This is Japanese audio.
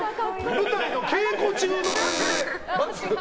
舞台の稽古中の感じで。